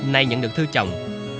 nay nhận được thư chồng